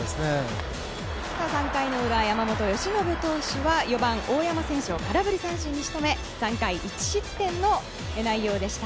３回裏、山本由伸投手は４番、大山選手を空振り三振に仕留め３回１失点の内容でした。